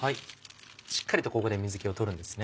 しっかりとここで水気を取るんですね。